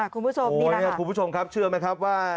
คุณผู้ชมนี้คุณผู้ชมครับเชื่อไหมครับว่า